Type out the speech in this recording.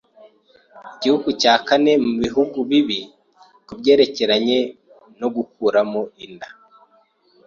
igihugu cya kane mu bihugu bibi kubyerekeranye no gukuramo inda